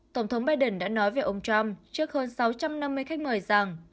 tổng thống biden đã nói về ông trump trước hơn sáu trăm năm mươi khách mời rằng